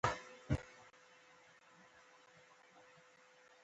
دروازه په اسانۍ سره خلاصیږي.